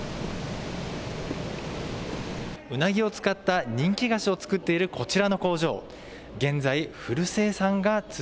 うなぎを使った人気菓子を作っているこちらの工場。